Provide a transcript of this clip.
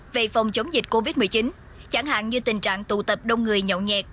về phòng chống dịch covid một mươi chín chẳng hạn như tình trạng tụ tập đông người nhậu nhẹt